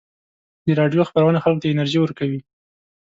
د راډیو خپرونې خلکو ته انرژي ورکوي.